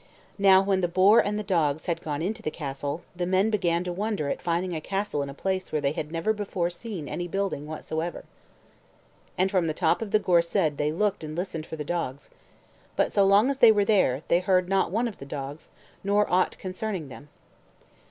Now when the boar and the dogs had gone into the castle, the men began to wonder at finding a castle in a place where they had never before seen any building whatsoever. And from the top of the Gorsedd they looked and listened for the dogs. But so long as they were there, they heard not one of the dogs, nor aught concerning them.